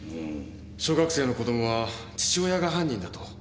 小学生の子どもは父親が犯人だと。